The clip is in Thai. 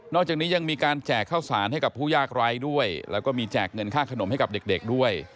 อกจากนี้ยังมีการแจกข้าวสารให้กับผู้ยากไร้ด้วยแล้วก็มีแจกเงินค่าขนมให้กับเด็กด้วย